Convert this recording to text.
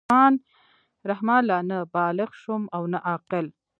رحمان لا نه بالِغ شوم او نه عاقل.